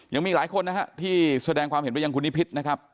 ยังมีหลายคนนะฮะที่แสดงความเห็นไปยังคุณนิพิษนะครับ